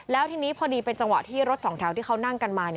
แล้วทีนี้พอดีเป็นจังหวะที่รถสองแถวที่เขานั่งกันมา